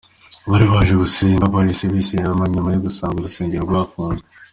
Abari baje gusenga bahise bisubirirayo nyuma yo gusanga urusengero rwafunzwe.